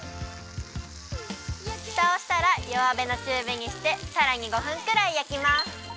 ふたをしたらよわめのちゅうびにしてさらに５分くらいやきます。